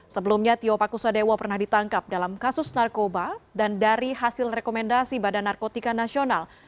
sebelumnya tio pakusadewo pernah ditangkap dalam kasus narkoba dan dari hasil rekomendasi badan narkotika nasional